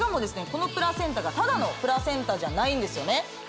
このプラセンタがただのプラセンタじゃないんですよね？